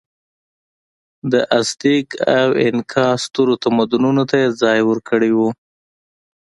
د ازتېک او اینکا سترو تمدنونو ته یې ځای ورکړی و.